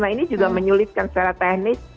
nah ini juga menyulitkan secara teknis